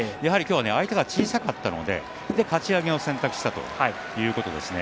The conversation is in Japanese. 相手が小さかったのでかち上げを選択したということですね。